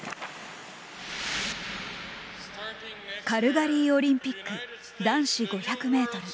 カルガリーオリンピック男子５００ｍ。